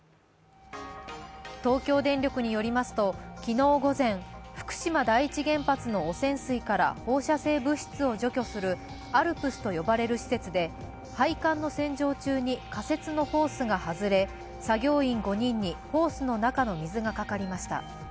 東京電力によりますと、昨日午前福島第一原発の汚染水から放射性物質を除去するＡＬＰＳと呼ばれる施設で、配管の洗浄中に仮設のホースが外れ作業員５人にホースの中の水がかかりました。